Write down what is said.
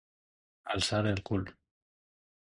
Alçar el cul.